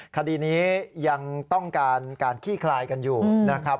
คดีนี้ยังต้องการการขี้คลายกันอยู่นะครับ